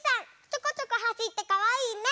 ちょこちょこはしってかわいいね。